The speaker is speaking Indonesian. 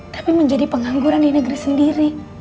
tapi menjadi pengangguran di negeri sendiri